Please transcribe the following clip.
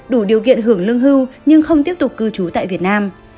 đủ điều kiện hưởng lương hưu nhưng không tiếp tục cư trú tại việt nam